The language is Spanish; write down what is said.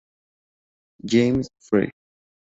James Frey.